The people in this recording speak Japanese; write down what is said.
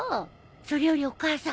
それよりお母さん。